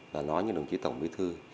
và nói như đồng chí tổng bí thư